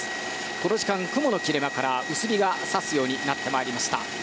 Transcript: この時間、雲の切れ間から薄日が差すようになってきました。